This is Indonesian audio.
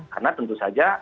karena tentu saja